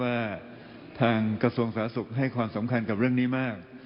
ว่าทางกระทรวงสาธารณสุขให้ความสำคัญกับเรื่องนี้มาก